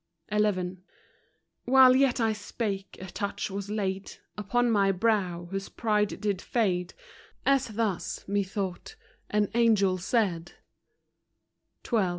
XI. While yet I spake, a touch was laid Upon my brow, whose pride did fade, As thus, methought, an angel said : XII.